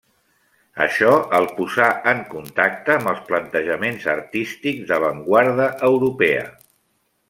Això el posà en contacte amb els plantejaments artístics d'avantguarda europea.